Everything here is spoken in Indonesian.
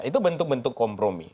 itu bentuk bentuk kompromi